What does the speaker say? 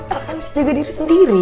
el kan bisa jaga diri sendiri